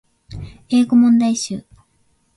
英語問題集